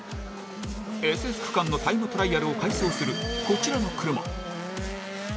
ＳＳ区間のタイムトライアルを快走する、こちらの車。